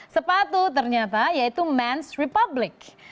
sepatu ternyata yaitu men's republic